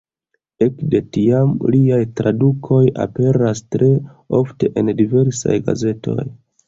Ekde tiam liaj tradukoj aperas tre ofte en diversaj gazetoj.